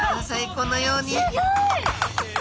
このように。